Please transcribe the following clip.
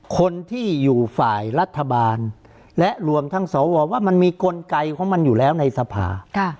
คนที่อยู่ฝ่ายรัฐบาลและรวมทั้งสวว่ามันมีกลไกของมันอยู่แล้วในสภา